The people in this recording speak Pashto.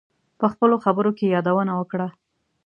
په خپلو خبرو کې یادونه وکړه.